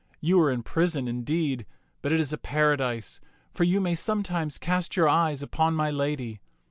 You are in prison, indeed, but it is a paradise, for you may sometimes cast your eyes upon my lady.